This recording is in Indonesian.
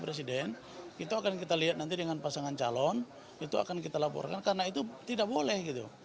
presiden itu akan kita lihat nanti dengan pasangan calon itu akan kita laporkan karena itu tidak boleh gitu